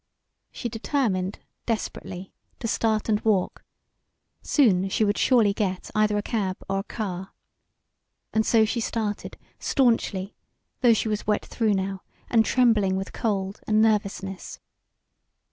She determined, desperately, to start and walk. Soon she would surely get either a cab or a car. And so she started, staunchly, though she was wet through now, and trembling with cold and nervousness.